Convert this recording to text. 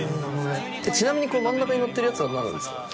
ちなみにこの真ん中にのってるやつは何なんですか？